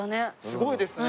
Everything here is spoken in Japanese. すごいですね。